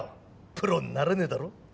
プロになれねえだろ？